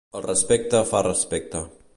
El respecte fa respecte.